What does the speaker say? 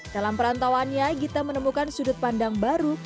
dalam perantauannya gita menemukan sudut pandang baru